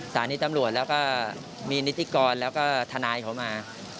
สถานีตำรวจแล้วก็มีนิติกรแล้วก็ทนายเขามา